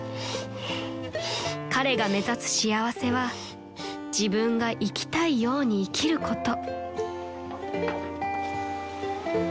［彼が目指す幸せは自分が生きたいように生きること］